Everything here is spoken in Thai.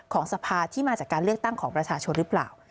ของสภาที่มาจากการเลือกตั้งของประชาชนหรือเปล่า